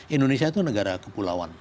indonesia itu negara kepulauan